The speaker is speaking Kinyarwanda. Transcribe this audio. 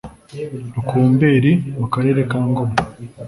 rukumberi mu karere ka ngoma